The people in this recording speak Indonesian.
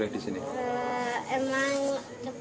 ada yang jadi sudah hafidh quran